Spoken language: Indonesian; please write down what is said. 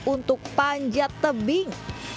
untuk panjat tebing